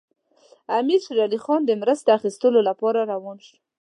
امیر شېر علي خان د مرستې اخیستلو لپاره روان شو.